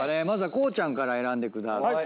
光ちゃんから選んでください。